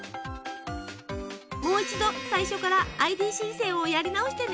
もう一度最初からＩＤ申請をやり直してね。